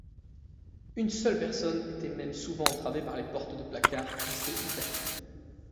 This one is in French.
Une seule personne était même souvent entravée par les portes de placard restées ouvertes.